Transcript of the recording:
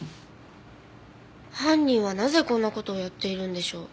犯人はなぜこんな事をやっているんでしょう？